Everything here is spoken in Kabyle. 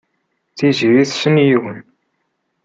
Tiziri tessen yiwen.